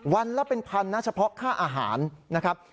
วันละเป็นพันนะเฉพาะค่าอาหารนะครับ